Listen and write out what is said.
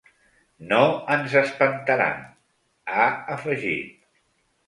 “No ens espantaran”, ha afegit.